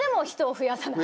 増やさない。